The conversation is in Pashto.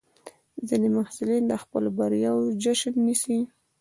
ځینې محصلین د خپلو بریاوو جشن نیسي.